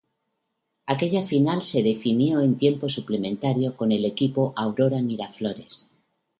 Aquella final se definió en tiempo suplementario con el equipo Aurora Miraflores.